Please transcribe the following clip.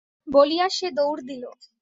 বলিয়া সে দৌড় দিল।